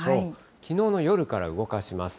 きのうの夜から動かします。